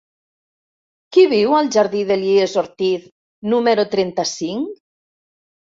Qui viu al jardí d'Elies Ortiz número trenta-cinc?